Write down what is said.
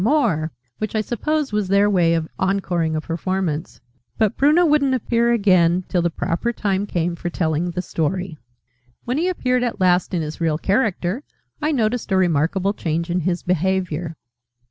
More!" which I suppose was their way of encoring a performance. But Bruno wouldn't appear again, till the proper time came for telling the Story. {Image...The frogs' birthday treat} When he appeared at last in his real character, I noticed a remarkable change in his behaviour.